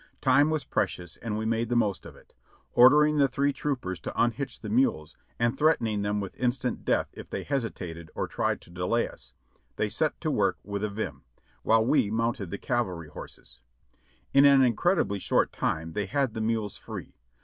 Time was precious and we made the most of it. Or dering the three troopers to unhitch the mules, and threatening them with instant death if they hesitated or tried to delay us, they set to work with a vim, while we mounted the cavalry horses. A DASHING RIDE 625 In an incredibly short time they had the mules free.